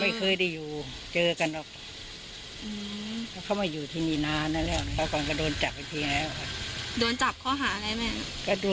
ไม่เคยได้อยู่เจอกันหรอกอื้อเขาไม่อยู่ที่นี่นานแล้วเนี่ยก่อนก็โดนจับไปที่ไหนแล้วโดนจับเขาหาอะไรแม่